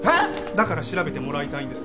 だから調べてもらいたいんです。